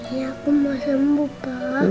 iya aku mau sembuh pa